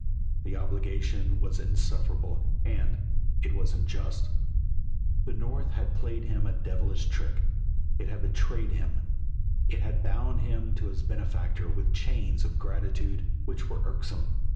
The obligation was insufferable, and it was unjust. The North had played him a devilish trick, it had betrayed him, it had bound him to his benefactor with chains of gratitude which were irksome.